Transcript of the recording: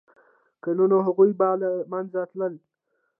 که نه نو هغوی به له منځه تلل